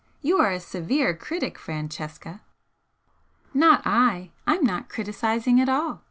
"You are a severe critic, Francesca!" "Not I. I'm not criticising at all.